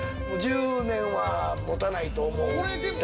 もう１０年はもたないと思う。